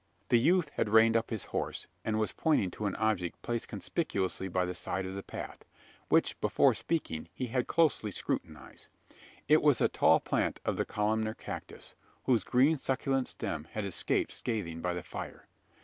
The youth had reined up his horse, and was pointing to an object placed conspicuously by the side of the path; which, before speaking, he had closely scrutinised. It was a tall plant of the columnar cactus, whose green succulent stem had escaped scathing by the fire.